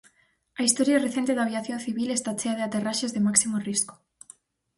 A historia recente da aviación civil está chea de aterraxes de máximo risco.